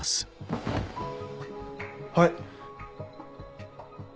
はい。